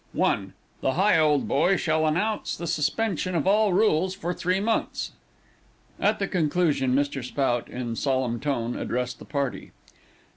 1. The Higholdboy shall announce the suspension of all rules for three months. At the conclusion, Mr. Spout, in a solemn tone, addressed the party.